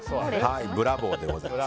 ブラボーでございます。